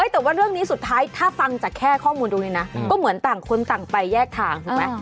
แต่เรื่องนี้สุดท้ายถ้าฟังข้อมูลเฉพาะ